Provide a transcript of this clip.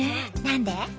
何で？